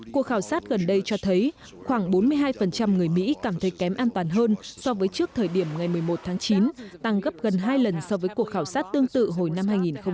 cuộc khảo sát gần đây cho thấy khoảng bốn mươi hai người mỹ cảm thấy kém an toàn hơn so với trước thời điểm ngày một mươi một tháng chín tăng gấp gần hai lần so với cuộc khảo sát tương tự hồi năm hai nghìn một mươi